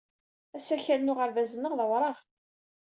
Asakal n uɣerbaz-nneɣ d awraɣ.